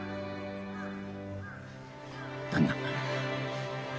旦那。